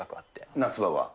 夏場は。